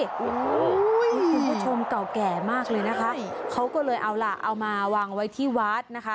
โอ้โหคุณผู้ชมเก่าแก่มากเลยนะคะเขาก็เลยเอาล่ะเอามาวางไว้ที่วัดนะคะ